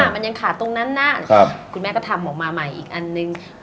มันยังขาดตรงนั้นนะคุณแม่ก็ทำออกมาใหม่อีกอันนึง